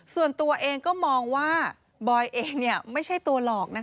ส่วนตัวเองก็มองว่าบอยเองไม่ใช่ตัวหลอก